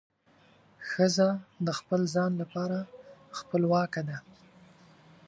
ښځه د خپل ځان لپاره خپلواکه ده.